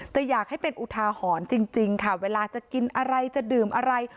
แต่อยากให้เป็นอุทาหรณ์จริงค่ะเวลาจะกินอะไรจะดื่มอะไร